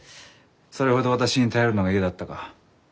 それほど私に頼るのが嫌だったか？